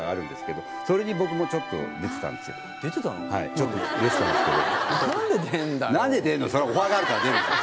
ちょっと出てたんですけど。